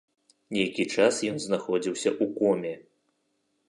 Нейкі час ён знаходзіўся ў коме.